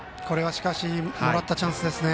もらったチャンスですね